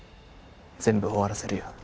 全部終わらせるよ。